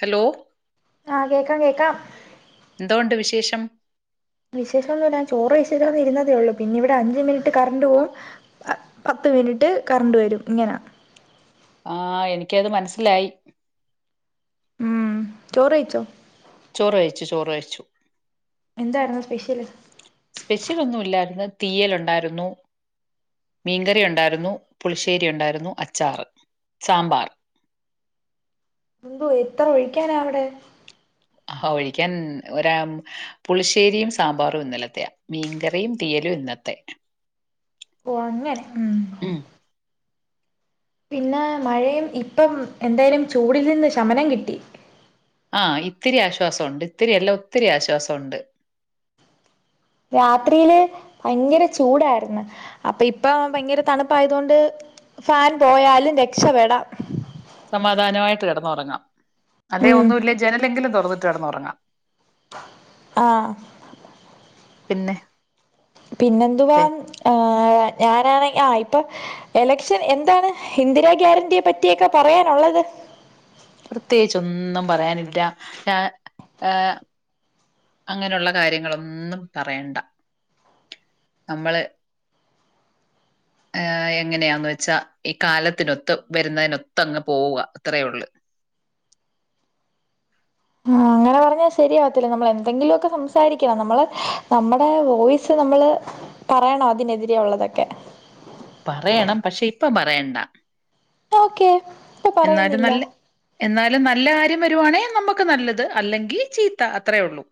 Hello ആഹ് കേക്കാം കേ എന്തുവോണ്ട് വിശേഷം? വിശേഷോന്നില്ല ചോറ് കഴിച്ചിട്ട് ഇരുന്നതേ ഉള്ളു പിന്നെ ഇവിടെ അഞ്ച് മിനിറ്റ് കറണ്ട് പോവും പത്ത് മിനിറ്റ് കറണ്ട് വരും ഇങ്ങനാ ആഹ് എനിക്കത് മനസ്സിലായി. ഉം ചോറ് കഴിച്ചോ? ചോറ് കൈച്ചു ചോറ് കൈച്ചു. എന്തായിരുന്നു സ്പെഷ്യല് സ്പെഷ്യൽ ഒന്നുല്ലായിര്ന്നു തീയലുണ്ടായിരുന്നു മീൻകറി ഉണ്ടായിരുന്നു പുളിശ്ശേരി ഉണ്ടായിരുന്നു അച്ചാറ് സാമ്പാർ എന്തോ ഇത്ര ഒഴിക്കാനാ അവിടെ ആഹോ ഒഴിക്കാൻ ഒരാ പുളിശ്ശേരിയും, സാമ്പാറും ഇന്നലത്തെയാ മീൻകറിയും തീയലും ഇന്നത്തെ ഓ അങ്ങനെ ഉം പിന്നെ മഴയും ഇപ്പം എന്തായാലും ചൂടിൽ നിന്ന് ശമനം കിട്ടി. ആഹ് ഇത്തിരി ആശ്വാസൊണ്ട് ഇത്തിരിയല്ല ഒത്തിരി ആശ്വാസൊണ്ട്. രാത്രിയില് ഭയങ്കര ചൂടായിരുന്ന് അപ്പൊ ഇപ്പ ഭയങ്കര തണുപ്പായത് കൊണ്ട് ഫാൻ പോയാലും രക്ഷപെടാം സമാധാനമായിട്ട് കെടന്നൊറങ്ങാം അതെ ഉം ഒന്നുല്ലേ ജനലെങ്കിലും തൊറ തൊറന്നിട്ട് കെടന്ന് ഒറങ്ങാം ആഹ് പിന്നെ പിന്നെന്തുവാ വേ ആഹ് ഞാനാണെങ്ക് ആ ഇപ്പൊ എലക്ഷൻ എന്താണ് ഇന്ദിരാ ഗ്യാരന്റിയെ പറ്റിയൊക്കെ പറയാനൊള്ളത് പ്രത്യേകിച്ച് ഒന്നും പറയാനില്ല ഞാൻ ഏഹ് അങ്ങനെയുള്ള കാര്യങ്ങളൊന്നും പറയണ്ട നമ്മള് ഏഹ് എങ്ങനെയാന്ന് വെച്ചാ ഈ കാലത്തിനൊത്ത് വരുന്നതിനൊത്ത് അങ്ങ് പോവുക അത്രയേ ഒള്ള്. ആഹ് അങ്ങനെ പറഞ്ഞാ ശരിയാവത്തില്ല, നമ്മൾ എന്തെങ്കിലു ഒക്കെ സംസാരിക്കണം, നമ്മള് നമ്മടെ വോയിസ് നമ്മള് പറയണം, അതിനെതിരെ ഒള്ളതൊക്കെ. പറയണം പക്ഷെ ഇപ്പ പറ വേണ്ട. ഓക്കെ ഇപ്പൊ പറയുന്നില്ല. എന്നാലും നല്ല കാര്യം വരുവാണേ നമക്ക് നല്ലത് അല്ലെങ്കി ചീത്ത അത്രേ ഒള്ളൂ.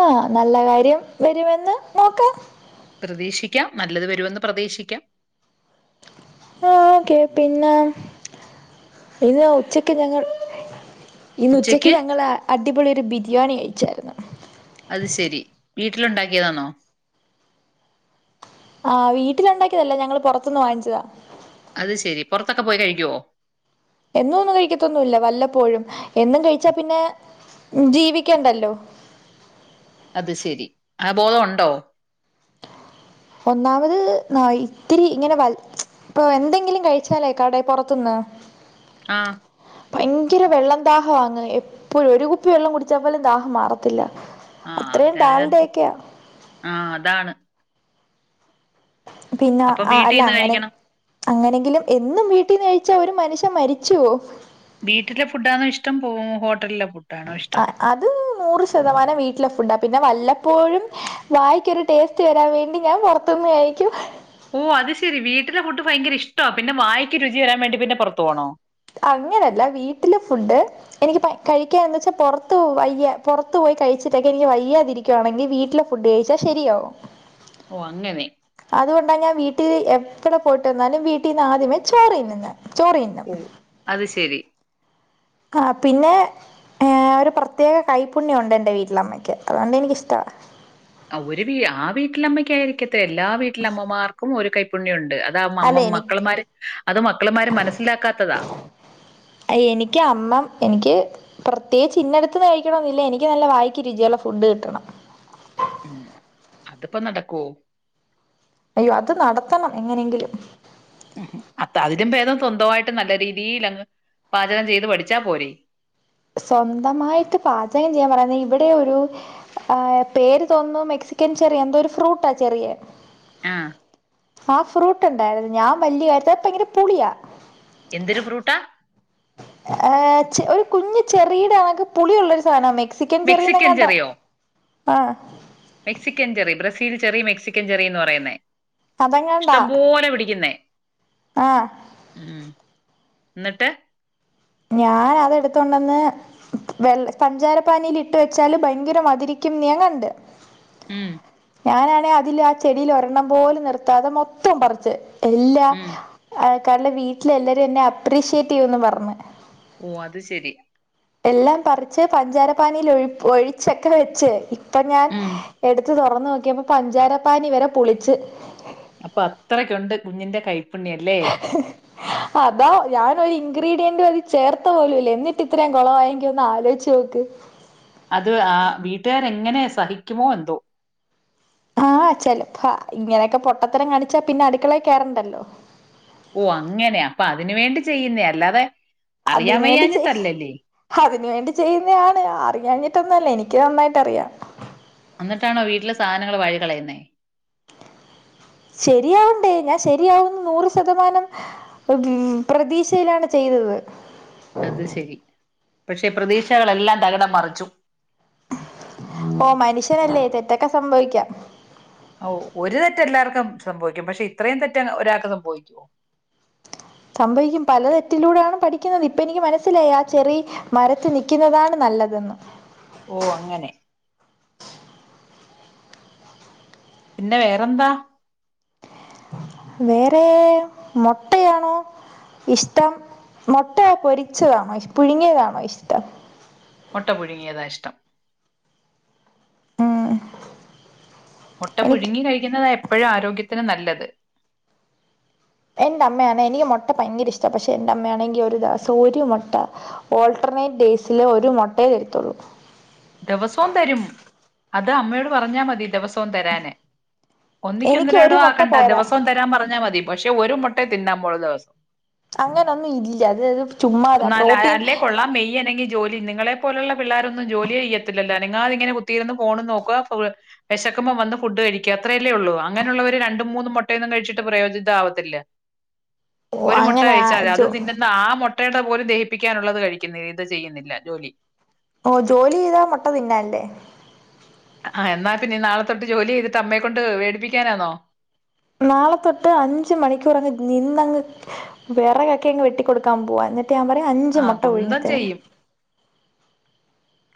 ആഹ് നല്ല കാര്യം വരു എന്ന നോക്കാം പ്രതീക്ഷിക്കാം നല്ലത് വരുമെന്ന് പ്രതീക്ഷിക്കാം. ഓക്കെ പിന്നെ ഇത് ഉച്ചക്ക് ഞങ്ങൾ ഇന്ന് ഉച്ചയ്ക്ക് ഞങ്ങള് അടിപൊളിയൊരു ബിരിയാണി വെച്ചായിരുന്നു. അത് ശെരി വീട്ടിലുണ്ടാക്കിയതാണോ? ആഹ് വീട്ടിലുണ്ടാക്കിയതല്ല ഞങ്ങള് പൊറത്ത്ന്ന് വാങ്ങിച്ചതാ. അത് ശെരി പൊറത്തൊക്കെ പോയി കഴിക്കോ? എന്നൊന്നും കഴിക്കത്തൊന്നുല്ല വല്ലപ്പോഴും എന്നും കഴിച്ചാ പിന്നെ ജീവിക്കണ്ടല്ലോ. അത് ശെരി ആ ബോധൊണ്ടോ? ഒന്നാമത് ന ഇത്തിരി ഇങ്ങനെ വ ഇപ്പൊ എന്തെങ്കിലും കഴിച്ചാലേ കട പൊറത്തുന്ന് ആ ഭയങ്കര വെള്ളം ദാഹം ആങ്ങ് എപ്പോഴും ഒരു കുപ്പി വെള്ളം കുടിച്ചാൽ പോലും ദാഹം മാറത്തില്ല ആ അത്രയും അവരതിനത് ഡാൾഡയൊക്കെയാ ആ അതാണ് പിന്നെ അപ്പൊ ആ വീട്ടിൽ അല്ല നിന്ന് അങ്ങനെ കഴിക്കണം. അങ്ങനെങ്കിലും എന്നും വീട്ടിന്ന് കഴിച്ചാൽ ഒരു മനുഷ്യൻ മരിച്ചുവോ വീട്ടിലെ ഫുഡാണോ ഇഷ്ടം പോകും ഹോട്ടലിലെ ഫുഡാണോ ഇഷ്ടം? ആ അത് നൂറ് ശതമാനം വീട്ടിലെ ഫുഡാ പി ഞാൻ വല്ലപ്പോഴും വായിക്കൊരു ടേസ്റ്റ് വരാൻ വേണ്ടി ഞാൻ പൊറത്തുന്ന് കഴിക്കും ഓ അത് ശരി വീട്ടിലെ ഫുഡ് ഭയങ്കര ഇഷ്ടവ പിന്നെ വായിക്ക് രുചി വെരാൻ വേണ്ടി പിന്നെ പുറത്തു പോണോ അങ്ങനെയല്ല വീട്ടില് ഫുഡ് എനിക്ക് കഴിക്കാന്ന് വെച്ചാൽ പുറത്ത് വയ്യ പുറത്ത് പോയി കഴിച്ചിട്ടൊക്കെ എനിക്ക് വയ്യാതിരിക്കുയാണെങ്കിൽ വീട്ടിലെ ഫുഡ് കഴിച്ചാൽ ശരിയാവും ഓ അങ്ങനെ അതുകൊണ്ടാ ഞാൻ വീട്ടിൽ എപ്പടെ പോയിട്ട്ന്നാലും വീട്ടിൽ നിന്ന് ആദ്യമേ ചോറ് തിന്നുന്നെ ചോറ് തിന്നും ഉം അത് ശെരി ആ പിന്നെ ഒരു പ്രത്യേക കൈപ്പുണ്യണ്ട് എന്റെ വീട്ടിലമ്മയ്ക്ക് അതൊണ്ട് എനിക്കിഷ്ടവാ ഒരു വീട്ടി ആ വീട്ടിലമ്മയ്ക്കായിരിക്കത എല്ലാ വീട്ടിലമ്മമാർക്കും ഒരു കൈപ്പുണ്യം ഒണ്ട് ണ്ട് അതാ അല്ല അമ്മ എനി മക്കളമാര് അത് മക്കളമാര് മനസ്സിലാക്കാത്തതാ എനിക്ക് അമ്മ എനിക്ക് പ്രത്യേകിച്ച് ഇന്നെടുത്ത് കഴിക്കണന്നില്ല എനിക്ക് നല്ല വായിക്ക രുചിയുള്ള ഫുഡ് കിട്ടണം അതിപ്പോ നടക്കുവോ അയ്യോ അത് നടത്തണം എങ്ങനെയെങ്കിലും അപ്പ അതിലും ഭേദം സ്വന്തമായിട്ട് നല്ല രീതിയിലങ്ങ് പാചകം ചെയ്ത് പഠിച്ചാ പോരെ സ്വന്തമായിട്ട് പാചകം ചെയ്യാൻ പറയു ന്ന ഇവിടെ ഒരു ആ പേര് തോന്നുന്നു മെക്സിക്കൻ ചെറിയ എന്തോ ഒരു ഫ്രൂട്ടാ ചെറിയാ ആ ആ ഫ്രൂട്ട് ഉണ്ടായിത് ഞാൻ വലിയ കാര്യത്തെ ഭയങ്കര പുളിയാ എന്തൊരു ഫ്രൂട്ടാ ഏ ഒരു കുഞ്ഞ് ചെറിയിടെണക്ക് പുളി ഉള്ള ഒരു സാധനം മെ മെക്സിക്കൻ ചെറിയന്നങ്ങാണ്ടാ ആ ബ്രസിൽ ചെറി മെക്സൻ ചെറിന്ന് പറയുന്നെ അതെങ്ങാണ്ടാ ആ ഉം. എന്നിട്ട് ഞാൻ അതെടുത്തോണ്ടന്ന് വെള്ള പഞ്ചാര പാനീൽ ഇട്ട് വെച്ചാല് ഭയങ്കര മതിരിക്കുംന്ന് ഞാൻ കണ്ട് ഉം ഞാനാണേ അതില് ആ ചെടിൽ ഒരെണ്ണം പോലും നിർത്താതെ മൊത്തം പറിച്ച് എല്ലാ ഉം ആ ഇയാളടെ വീട്ടിലെ എല്ലാരും എന്നെ അപ്രീഷ്യേറ്റ് ചെയ്യന്ന് പറഞ്ഞു ഓ അത് ശെരി എല്ലാം പറിച്ച് പഞ്ചാര പാനീയിൽ ഒ ഒഴിച്ചൊക്കെ വെച്ച് ഇപ്പൊ ഞാൻ ഉം എടുത്ത് തെറന്ന നോക്കിയപ്പോ പഞ്ചാരപ്പാനി വരെ പുളിച്ച് അപ്പൊ അത്രക്കുണ്ട് കുഞ്ഞിന്റെ കൈ അതാ ഞാനൊരി ഇൻഗ്രീഡിയൻ്റ് അതി ചേർത്ത പോലുല്ല എന്നിട്ട് ഇത്രയും കൊളവായങ്കി ഒന്ന് ആലോയ്ച്ചോക്ക് അത് ആ വീട്ടുകാര് എങ്ങനെ സഹിക്കുമോ എന്തോ ആഹ് ചെലപ്പ ഇങ്ങനെക്കെ പൊട്ടത്തരം കാണിച്ചാ പിന്നെ അടുക്കളേ കേറണ്ടല്ലോ ഓ അങ്ങനെ അപ്പൊ അതിനു വേണ്ടി ചെയ്യുന്നേ അല്ലാതെ അറിയാൻ അതിന് വേണ്ടി ചെയ വയ്യാഞ്ഞിട്ടല്ലല്ലേ അതിന് വേണ്ടി ചെയ്യുന്നെ ആണ് അറിയാ ഞ്ഞിട്ടൊന്നല്ല എനിക്ക് എനിക്ക് നന്നായിട്ട്റിയാം എന്നിട്ടാണോ വീട്ടിലെ സാധനങ്ങള് വഴികളയുന്നേ ശരിയാവണ്ടേ ഞാൻ ശരിയാവുന്നു നൂറ ശതമാനം ഉം പ്രതീക്ഷയിലാണ് ചെയ്തത്. അത് ശെരി പക്ഷേ പ്രതീക്ഷകളെല്ലാം തകിടം മറിച്ചു. ഓ മനുഷ്യനല്ലേ തെറ്റൊക്കെ സംഭവിക്കാം. ഓ ഒരു തെറ്റ് എല്ലാവർക്കും സംഭവിക്കും പക്ഷെ ഇത്രയും തെറ്റ് ഒരാൾക്ക് സംഭവിക്കുകോ സംഭവിക്കും പല തെറ്റിലൂടാണ് പഠിക്കുന്നത് ഇപ്പ എനിക്ക് മനസ്സിലായി ആ ചെറിമരത്ത് നിക്കുന്നതാണ് നല്ലതെന്ന് ഓ അങ്ങനെ പിന്നെ വേറെന്താ വേറെ മൊട്ടയാണോ ഇഷ്ട്ടം മൊട്ട പൊരിച്ചതാണോ ഇഷ് പുഴുങ്ങിയതാണോ ഇഷ്ട്ടം മൊട്ട പുഴുങ്ങിയത ഇഷ്ട്ടം ആ മൊട്ട പുഴുങ്ങി കഴിക്കുന്നുന്നത എപ്പോഴും ആരോഗ്യത്തിന് നല്ലത് എന്റെ അമ്മയാന്നെ എനിക്ക് മൊട്ട ഭയങ്കര ഇഷ്ട പക്ഷെ എന്റെ അമ്മയാണെങ്കിൽ ഒരു ദെവസം ഒരു മൊട്ട ഓൾട്ടർനെറ്റ് ഡേയ്സില് ഒരു മൊട്ടയെ തരത്തുള്ളൂ ദേവസോം തരും അത് അമ്മയോട് പറഞ്ഞാ മതി ദിവസോം തരാന് ഒന്നിക്കെ എനിക്ക് ഒരു ഒന്നരടോം മുട്ട ആകണ്ട പോരാ ദിവസോം തരാൻ പറഞ്ഞ മതി പക്ഷെ ഒരു മൊട്ടയെ തിന്നാൻ പോലു ദി അങ്ങനൊന്നും ഇല്ല അത് അത് ചുമ്മാതാ എന്നാല പ്രോട്ടീൻ അല്ലേ കൊള്ളാം മെയ്യനങ്ങി ജോലി നിങ്ങളെ പോലുള്ള പിള്ളേരൊന്നും ജോലി ചെയ്തില്ലല്ലോ അനങ്ങാതിങ്ങനെ കുത്തിയിരുന്ന് ഫോണും നോക്കുവ വെശകുമ്പോ വന്ന് ഫുഡ് കഴിക്കുക അത്രയല്ലാ യുള്ളു അങ്ങനെയുള്ളവര് രണ്ട് മൂന്ന് മൊട്ടയോനും കഴിച്ചിട്ട് പ്രയോജിതമാവത്തില്ല ഓ ഒരു മൊട്ട അങ്ങനെ ആ കഴിച്ചാമതി അത് ജോ തിന്നുന്ന ആ മോട്ടേടെ പോലും- ദഹിപ്പിക്കാനുള്ളത് കഴിക്കുന്നേ ഇത് ചെയ്യുന്നില്ല ജോലി ഓ ജോലി ചെയ്യ്താ മൊട്ട തിന്നാം അല്ലെ ആ എന്നാ പിന്നെ നാളെ തൊട്ട് ജോലി ചെയ്തിട്ട് അമ്മയെക്കൊണ്ട് വേടിപ്പിക്കാനാന്നോ നാളെ തൊട്ട് അഞ്ച് മണിക്കൂർ അങ്ങ് നിന്നങ്ങ് വെറക് യൊക്കെ അങ്ങ് വെട്ടിക്കൊടുക്കാൻ പോവാ എന്നിട്ട് ഞാൻ പറയും അഞ്ച് ആ മൊട്ട പുഴുങ്ങി കുന്തം തരാൻ ചെയ്യും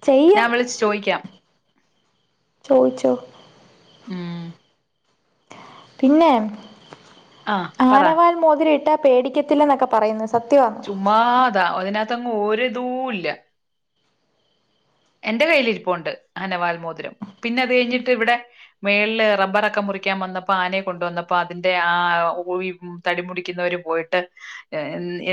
ചെയ്യും ഞാൻ വിളിച്ച് ചോദിക്കാം ചോയിച്ചോ ഉം പിന്നെ ആ പറ ആനവാൽ മോതിരം ഇട്ട പേടിക്കത്തില്ലനൊക്കെ പറയുന്നു സത്യമാണോ ചുമ്മാതാ അതിനാ തങ്ങ് ഒരിതുല്ലാ എന്റെ കൈയിലിരിപ്പുണ്ട് ആനവാൽ മോതിരം പിന്നെ അത് കഴിഞ്ഞിട്ട് ഇവിടെ മേളില് റബറോക്കെ മുറിക്കാൻ വന്നപ്പോ ആനയെ കൊണ്ട് വന്നപ്പോ അതിന്റെ ആ [unintelligible] തടി മുടിക്കുന്നവര് പോയിട്ട്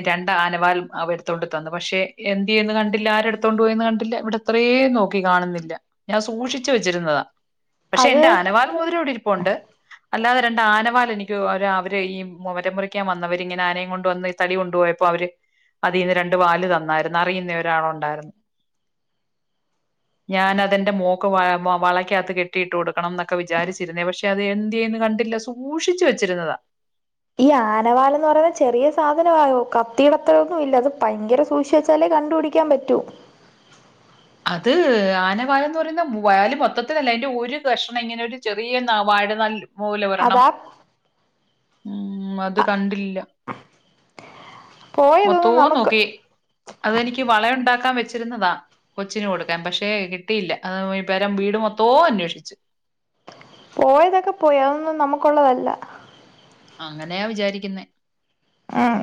രണ്ട് ആനവാൽ അവ എടുത്തോണ്ട് തന്നു പക്ഷെ എന്തിയെന് കണ്ടില്ല ആരെടുത്തോണ്ട് പോയിന്ന് കണ്ടില്ല ഇവിടെ അത്രേയും നോക്കി കാണുന്നില്ല ഞാൻ സൂഷിച്ചു വച്ചിരുന്നതാ പക്ഷെ എന്റെ അത് ആനവാൽ മോതിരം ഇവിടെ ഇരിപ്പുണ്ട് അല്ലാതെ രണ്ട് ആനവാൽ എനിക്ക് ഒരാ അവര് ഈ മരം മുറിക്കാൻ വന്നവര് ഇങ്ങനെ ആനയും കൊണ്ട് വന്ന് ഈ തടി കൊണ്ടുപോയപ്പോ അവര് അതിന്ന് രണ്ടു വാല് തന്നായിരുന്നു അറിയുന്ന ഒരാളുണ്ടായിരുന്നു ഞാൻ അതന്റെ മോക്ക് വ വളക്കത്ത് കെട്ടിയിട്ട് കൊടുക്കണം എന്നൊക്കെ വിചാരിച്ചിരുന്നേ പക്ഷെ അത് എന്ത്യേന്നു കണ്ടില്ല സൂക്ഷിച്ചു വെച്ചിരുന്നതാ ഈ ആനവാലെന്ന് പറയുമ്പോ ചെറിയ സാധനം ആയോ കത്തിടത്രയൊന്നും ഇല്ല അത് ഭയങ്കര സൂക്ഷിച്ച് വച്ചാലേ കണ്ടുപിടിക്കാൻ പറ്റൂ അത് ആന വല്ലെന്നുപറയുന്ന വയല് മൊത്തത്തിലല്ല അതിന്റെ ഒരു കഷ്ണം ഇങ്ങനെ ഒരു ചെറിയ ന്നാ വാഴ നാല് മൂലവരണം അതാ ഉം അത് അ കണ്ടില്ല പോയതൊന്നും മൊത്തവും നമുക്ക് നോക്കി അതെനിക്ക് വള ഉണ്ടാക്കാൻ വെച്ചിരുന്നതാ കൊച്ചിന് കൊടുക്കാൻ പക്ഷേ കിട്ടിയില്ല ആ ഈ പേരം വീട് മൊത്തോ അന്വേഷിച്ചു പോയതൊക്കെ പോയി അതൊന്നും നമുക്കുള്ളതല്ല അങ്ങനെയാ വിചാരിക്കുന്നേ ഉം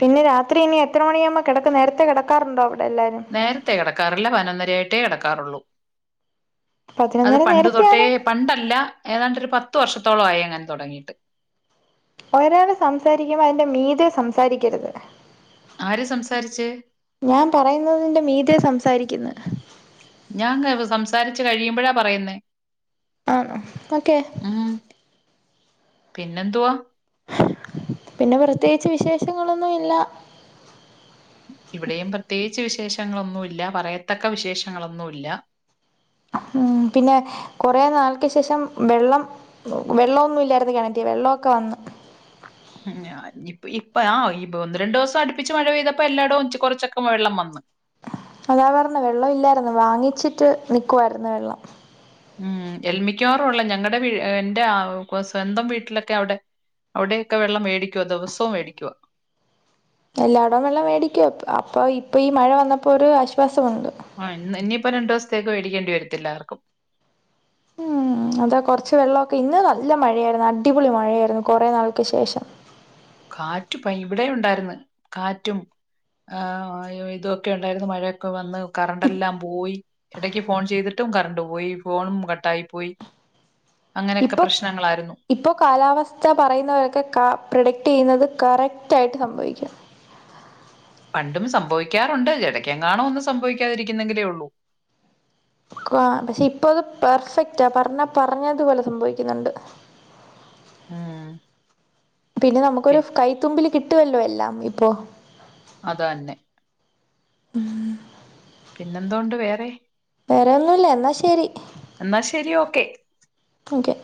പിന്നെ രാത്രി ഇനി എത്ര മണിയാമ്പോ കെടക്കും നേരത്തെ കെടാക്കാറുണ്ടോ അവ നേരത്തെ കിടക്കാറില്ല പതിനൊന്നരയാ ട്ടേ കിടക്കാറുള്ളു അത് പതിനൊന്നര പണ്ട് തൊട്ടേ നേരത്തെയാണ് പണ്ടല്ല ഏതാണ്ടൊരു പത്ത് വർഷത്തോളായി അങ്ങനെ തൊടങ്ങിയിട്ട് ഒരാള് സംസാരിക്കുമ്പോ അതിന്റെ മീതെ സംസാരിക്കരുത് ആര് സംസാരിച്ച് ഞാൻ പറയുന്നതിന്റെ മീതെ സംസാരിക്കുന്ന് ഞാൻ [unintelligible] സംസാരിച്ച് കഴിയുമ്പോഴാ പറയുന്നേ ആണോ ഓക്കെ ഉം പിന്നെന്തുവാ പിന്നെ പ്രത്യേകിച്ച് വിശേഷങ്ങളൊന്നും ഇല്ല ഇവിടെയും പ്രത്യേ ച്ച് വിശേഷങ്ങളൊന്നും ഇല്ല പറയത്തക്ക വിശേഷങ്ങളൊന്നും ഇല്ല ഉം പിന്നെ കുറേ നാൾക്ക്ശേഷം വെള്ളം വെള്ളമൊന്നുല്ല്യാർന്ന് കിണറ്റിൽ വെള്ളമൊക്കെ വന്ന് ഉം [unintelligible] ഇപ്പഴാ ഇപ്പൊ ഒന്നുരണ്ട് ദിവസം അടുപ്പിച്ച് മഴപെയ്തപ്പോ എല്ലാടോം ച്ച് കൊർചൊക്കെ വെള്ളം വന്ന് അതാ പറഞ്ഞ് വെള്ളം ഇല്ലായർന്ന് വാങ്ങിച്ചിട്ട് നിക്കുവായിരുന്നു വെള്ളം ഉം എൽമിക്കാവാറും ഉള്ള ഞങ്ങളടെ വീ എന്റെ ആ സ്വന്തം വീട്ടിലൊക്കെ അവിടെ അവിടൊയൊക്കെ വെള്ളം മേടിക്കുവ ദിവസവും മേടിക്കുവ എല്ലാടവും വെള്ളം മേടിക്കുവ അപ്പൊ ഇപ്പൊ ഈ മഴ വന്നപ്പോ ഒരു ആശ്വാ ആഹ് ഇന്ന് എനി പ്പൊ രണ്ടു ദിവസത്തേക്ക് വേടിക്കേണ്ടി വരത്തില്ല ആർക്കും ഉം അതാ കൊറച്ച് വെള്ളമൊക്കെ ഇന്ന് നല്ല മഴയായിരുന്നു അടിപൊളി മഴയായിരുന്നു കുറേ നാൾക്ക് ശേഷം കാറ്റ് പ്പ ഇവിടെ ഉണ്ടായർന്ന് കാറ്റും ആ ഇതൊക്കെ ഉണ്ടായിരുന്നു മഴയൊക്കെ വന്ന് ഇപ്- കറൻ്റല്ലാം പോയി ഇടക്ക് ഫോൺ ചെയ്തിട്ടും കറൻ്റ് പോയി ഫോണും കട്ടായി പോയി അങ്ങനെയൊക്കെ ഇപ്പൊ പ്രശ്നങ്ങളായിരുന്നു ഇപ്പൊ കാലാവസ്ഥ പറയുന്നവരൊക്കെ കാ പ്രഡക്ട്യ്യുന്നത് കറക്റ്റായിട്ട് സംഭവിക്കാം. പണ്ടും സംഭവിക്കാറുണ്ട് എടക്കങ്ങാണോ ഒന്നു സംഭവിക്കാതിരിക്കുന്നെങ്കിലേ ഉള്ളൂ. ക്വാ പക്ഷെ ഇപ്പൊ അത് പെർഫെക്റ്റാ പറഞ്ഞ പറഞ്ഞതുപോലെ സംഭവിക്കുന്നുണ്ട്. ഉം പിന്നെ നമുക്കൊരു പി- കൈത്തുമ്പിൽ കിട്ടുവല്ലോ എല്ലാം ഇപ്പോ അതന്നെ ഉം ന്നെന്തൊണ്ട് വേറെ വേറെ ഒന്നുല്ല എന്നാ ശെരി ക്കെ ഒകെ